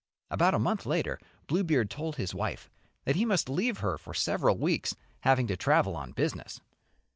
About a month later, Bluebeard told his wife that he must leave her for several weeks, having to travel on business.